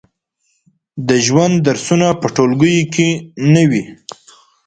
د ژوند درسونه په ټولګیو کې نه وي.